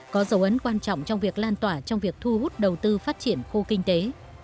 có dấu ấn quan trọng trong việc lan tỏa trong việc thu hút đầu tư phát triển khu kinh tế